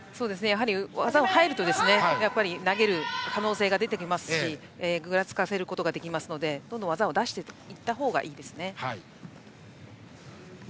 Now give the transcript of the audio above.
技に入ると、やっぱり投げる可能性が出てきますしぐらつかせることができますのでどんどん技を出した方がいいです。